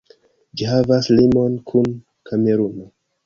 Ĝi havas limon kun Kameruno.